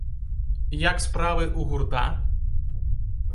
Як справы ў гурта?